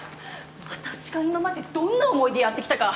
私が今までどんな思いでやってきたか